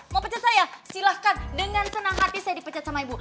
mau pecat saya silahkan dengan senang hati saya dipecat sama ibu